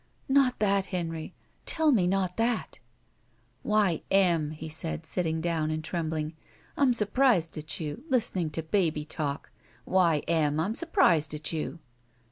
"Not that, Henry ! Tell me not that !" "Why, Em," he said, sitting down and trembling, "I'm surprised at you, listening to baby talk! Why, Em, I'm surprised at you!"